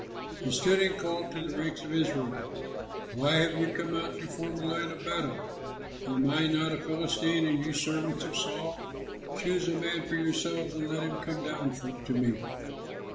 He stood and called to the ranks of Israel: "Why have you come out to form the line of battle? Am I not a Philistine and you servants of Saul? Choose a man for yourselves and let him come down to me.